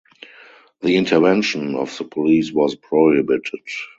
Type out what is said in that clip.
The intervention of the police was prohibited.